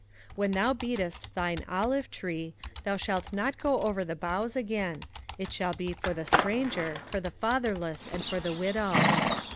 05:024:020 When thou beatest thine olive tree, thou shalt not go over the boughs again: it shall be for the stranger, for the fatherless, and for the widow.